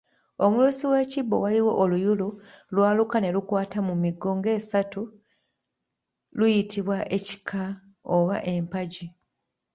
Omulusi w'ekibbo waliwo oluyulu lw'aluka ne lukwata mu migo ng'esatu luyitibwa ekika oba empagi